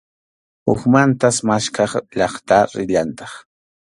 Hukmantas maskhaq llaqta rillantaq.